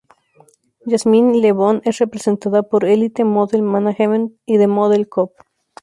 Yasmin Le Bon es representada por Elite Model Management y The Model CoOp.